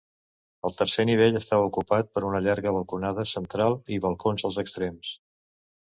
El tercer nivell estava ocupat per una llarga balconada central i balcons als extrems.